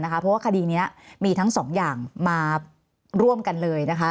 เพราะว่าคดีนี้มีทั้งสองอย่างมาร่วมกันเลย